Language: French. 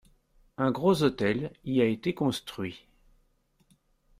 Un gros hôtel y a été construit.